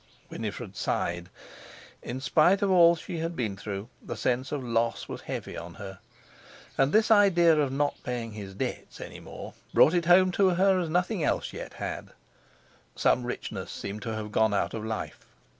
Winifred sighed. In spite of all she had been through, the sense of loss was heavy on her. And this idea of not paying his debts any more brought it home to her as nothing else yet had. Some richness seemed to have gone out of life.